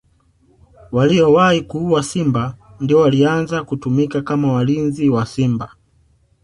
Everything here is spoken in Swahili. Waliowahi kuua simba ndio walianza kutumika kama walinzi wa simba